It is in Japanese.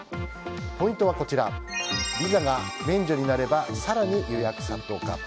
ポイントはこちらビザが免除になれば更に予約殺到か？